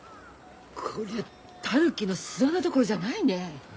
こりゃあタヌキの巣穴どころじゃないね。